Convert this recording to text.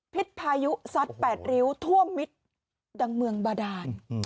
พิษพายุซัดแปดริ้วทั่วมิตรดังเมืองบาดาล